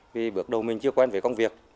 vì bước đầu mình chưa quen với công việc